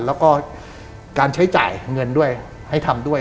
แล้วก็การใช้จ่ายเงินด้วยให้ทำด้วย